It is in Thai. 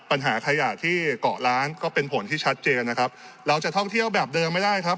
ปัญหาขยะที่เกาะล้านก็เป็นผลที่ชัดเจนนะครับเราจะท่องเที่ยวแบบเดิมไม่ได้ครับ